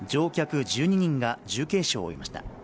乗客１２人が重軽傷を負いました。